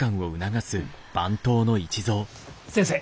先生